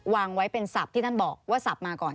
วางไว้เป็นศัพท์ที่ท่านบอกว่าสับมาก่อน